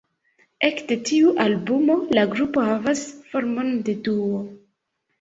Ekde tiu albumo la grupo havas formon de duo.